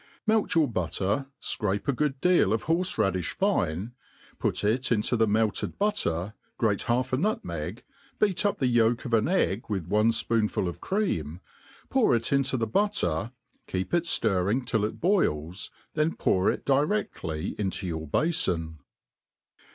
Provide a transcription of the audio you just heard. Melt your butter, fcrape a good deal of horfe*raddifh fine, put it into the melted butter, grate half a nutmeg, beat up the • yolk of an egg with one fpoonful of cream, pour it into the .butter, keep it ftirring till it boils^ then pour it dire£lly into your bafon.